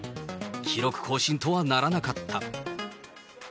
記録更新とはならなかった。